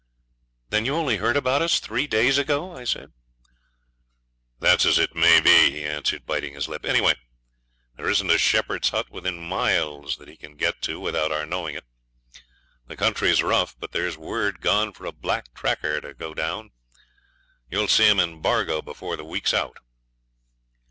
'Then you only heard about us three days ago?' I said. 'That's as it may be,' he answered, biting his lip. 'Anyhow, there isn't a shepherd's hut within miles that he can get to without our knowing it. The country's rough, but there's word gone for a black tracker to go down. You'll see him in Bargo before the week's out.'